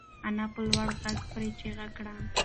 انا په لوړ غږ پرې چیغه کړه.